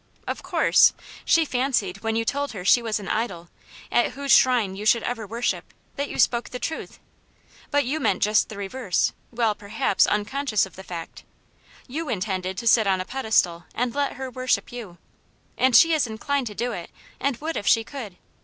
Of course ! She fancied, when you told her she was an idol, at whose shrine you should ever wor ' ship, that you spoke the truth. But you meant just the reverse, while, perhaps, unconscious of the fact. You intended to sit on a pedestal and let her worship you ; and she is inclined to do it, and would if she could.